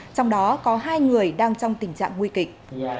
trong đó có hai người đang trong tình trạng nguy kịch